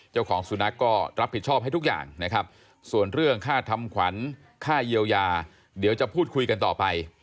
เจ้าของสุนัขก็รับผิดชอบให้ทุกอย่างนะครับส่วนเรื่องค่าทำขวัญค่าเยียวยาเดี๋ยวจะพูดคุยกันต่อไป